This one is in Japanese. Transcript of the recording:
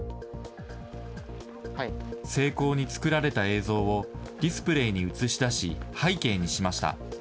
精巧に作られた映像をディスプレーに写し出し、背景にしました。